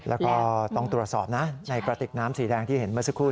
แล้วก็ต้องตรวจสอบนะในกระติกน้ำสีแดงที่เห็นเมื่อสักครู่